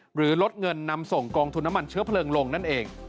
หรือลดเงินนำส่งกองทุนน้ำมันเชื้อเพลิงลงนั่นเอง